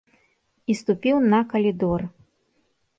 І ступіў ка калідор.